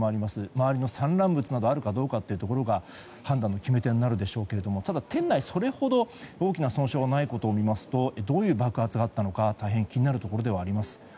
周りの散乱物などがあるかどうかというところが判断の決め手になるでしょうけどただ、店内それほど大きな損傷がないことを見ますとどういう爆発だったのか大変、気になるところではあります。